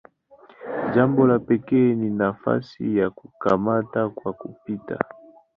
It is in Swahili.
Jambo la pekee ni nafasi ya "kukamata kwa kupita".